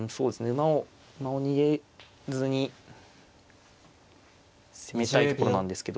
馬を逃げずに攻めたいところなんですけど。